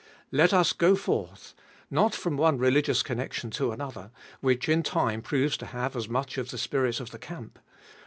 Let us go forth : not from one religious connection to another, which in time proves to have as much of the spirit of the camp.